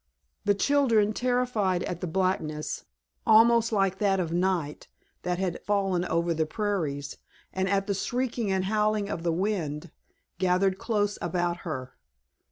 The children, terrified at the blackness, almost like that of night, that had fallen over the prairies, and at the shrieking and howling of the wind, gathered close about her.